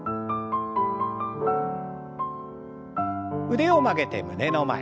腕を曲げて胸の前。